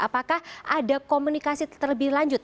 apakah ada komunikasi terlebih lanjut